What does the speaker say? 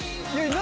何？